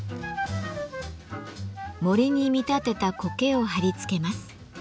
森に見立てたコケを貼り付けます。